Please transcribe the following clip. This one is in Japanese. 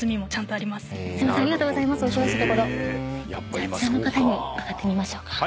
じゃああちらの方に伺ってみましょうか。